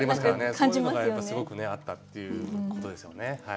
そういうのがすごくねあったっていうことですよね。